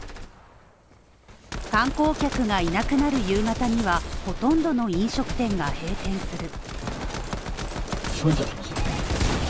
観光客がいなくなる夕方にはほとんどの飲食店が閉店する。